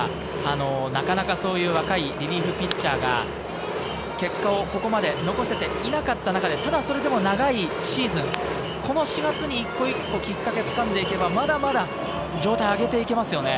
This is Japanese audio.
一方のタイガースは、なかなか若いリリーフピッチャーが結果をここまで残せていなかった中で、ただそれでも長いシーズン、この４月に一歩一歩きっかけを掴んでいけば、まだまだ状態を上げていけますよね。